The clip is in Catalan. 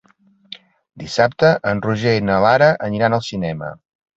Dissabte en Roger i na Lara aniran al cinema.